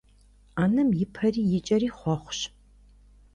Ӏэнэм и пэри и кӀэри хъуэхъущ.